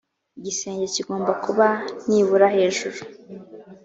igisenge kigomba kuba nibura hejuru